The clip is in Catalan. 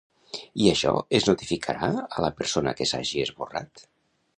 I això es notificarà a la persona que s'hagi esborrat?